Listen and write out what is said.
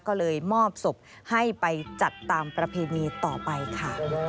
ก็เลยมอบศพให้ไปจัดตามประเพณีต่อไปค่ะ